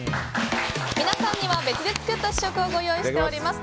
皆さんには別で作った試食を用意しています。